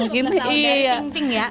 lima belas tahun dari ting ting ya